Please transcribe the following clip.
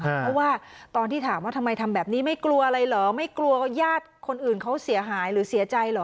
เพราะว่าตอนที่ถามว่าทำไมทำแบบนี้ไม่กลัวอะไรเหรอไม่กลัวว่าญาติคนอื่นเขาเสียหายหรือเสียใจเหรอ